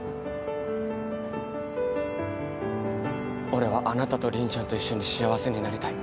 俺はあなたと凛ちゃんと一緒に幸せになりたい。